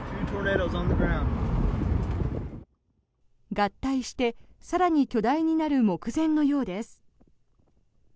合体して更に巨大になる目前のようです。